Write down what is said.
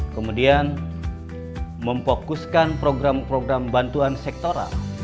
kemudian memfokuskan program program bantuan sektoral